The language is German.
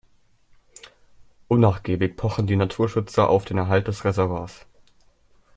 Unnachgiebig pochen die Naturschützer auf den Erhalt des Reservoirs.